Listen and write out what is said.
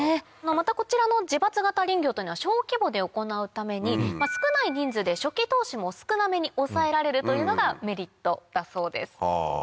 またこちらの自伐型林業というのは小規模で行うために少ない人数で初期投資も少なめに抑えられるというのがメリットだそうです。